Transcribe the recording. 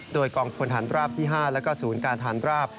โดยกองพลฐานราบที่๕แล้วก็ศูนย์การฐานราบ